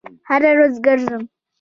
هره ورځ ګرځم